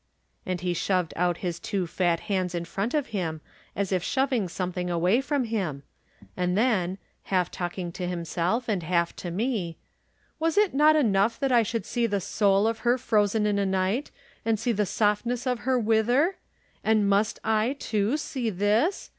and he shoved out his two fat hands in front of him as if shoving some thing away from him, and then, half talking to himself and half to me: "Was it not enough that I should see the soul of her frozen in a night, and see the softness of her wither? And I must, too, see this?